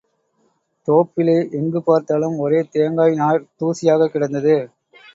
தோப்பிலே எங்குப் பார்த்தாலும் ஒரே தேங்காய் நார்த் தூசியாகக் கிடந்தது.